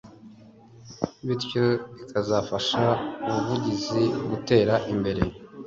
bityo bikazafasha ubuvuzi gutera imbere